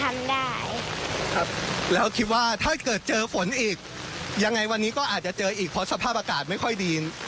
ทำได้ครับแล้วคิดว่าถ้าเกิดเจอฝนอีกยังไงวันนี้ก็อาจจะเจออีกเพราะสภาพอากาศไม่ค่อยดี